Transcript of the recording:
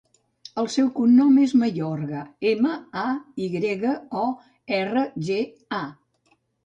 El seu cognom és Mayorga: ema, a, i grega, o, erra, ge, a.